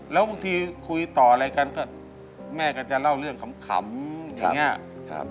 แล้วบางทีคุยต่ออะไรกันก็แม่ก็จะเล่าเรื่องขำอย่างนี้